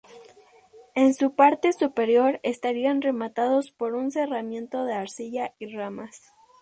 En su parte superior estarían rematados por un cerramiento de arcilla y ramas.